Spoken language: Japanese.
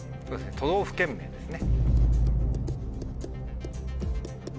都道府県名ですね。